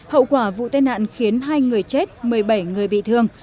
hậu quả vụ tai nạn khiến hai người chết một mươi bảy người bị thương